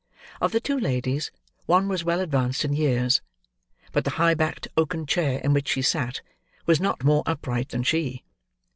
Of the two ladies, one was well advanced in years; but the high backed oaken chair in which she sat, was not more upright than she.